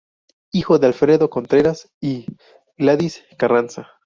Hijo de Alfredo Contreras y Gladys Carranza.